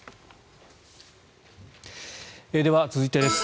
では続いてです。